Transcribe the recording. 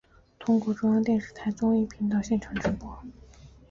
通过中央电视台综艺频道现场直播。